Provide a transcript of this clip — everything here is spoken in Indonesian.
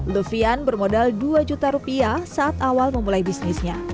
lufian bermodal dua juta rupiah saat awal memulai bisnisnya